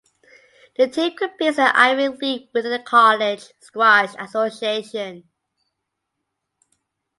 The team competes in the Ivy League within the College Squash Association.